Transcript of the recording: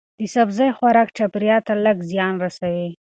د سبزی خوراک چاپیریال ته لږ زیان رسوي.